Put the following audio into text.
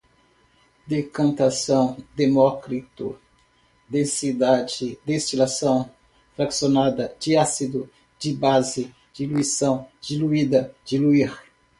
decantação, demócrito, densidade, destilação fracionada, diácido, dibase, diluição, diluída, diluir